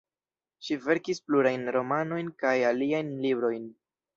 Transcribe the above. Ŝi verkis plurajn romanojn kaj aliajn librojn.